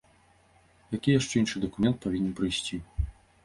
Які яшчэ іншы дакумент павінен прыйсці?